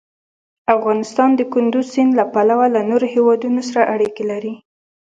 افغانستان د کندز سیند له پلوه له نورو هېوادونو سره اړیکې لري.